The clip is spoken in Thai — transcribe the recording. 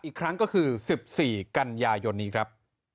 อีกครั้งก็คือ๑๔กันยายนนี้ครับ